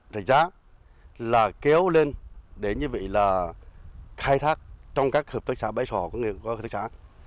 rạch giá là kéo lên đến như vậy là khai thác trong các hợp tác xã bãi sò của các hợp tác xã